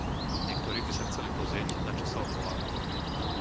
Niektorí by sa chceli pozrieť, na čo sa odvoláva.